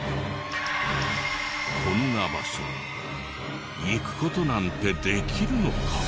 こんな場所行く事なんてできるのか？